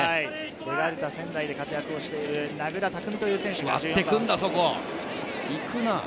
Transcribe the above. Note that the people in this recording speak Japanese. ベガルタ仙台で活躍してる名倉巧という選手がいます。